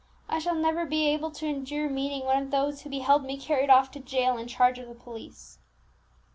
I shall never be able to endure meeting one of those who beheld me carried off to jail in charge of the police!"